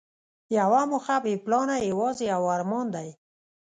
یوه موخه بې پلانه یوازې یو ارمان دی.